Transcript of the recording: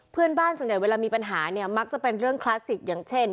ส่วนใหญ่เวลามีปัญหาเนี่ยมักจะเป็นเรื่องคลาสสิกอย่างเช่น